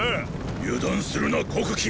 油断するな黒金。